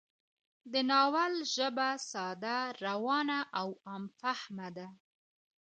د ناول ژبه ساده، روانه او عام فهمه ده